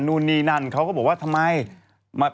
นู่นนี่นั่นเขาก็บอกว่าทำไม